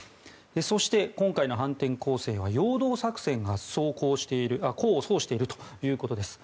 そして、今回の反転攻勢は陽動作戦が功を奏しているということです。